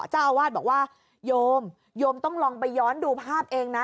เจ้าอาวาสบอกว่าโยมโยมต้องลองไปย้อนดูภาพเองนะ